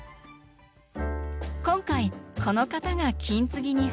今回この方が金継ぎに初挑戦！